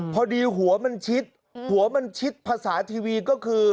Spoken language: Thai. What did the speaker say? พอดีหัวมันชิดหัวมันชิดภาษาทีวีก็คือ